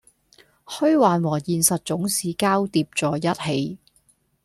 虛幻和現實總是交疊在一起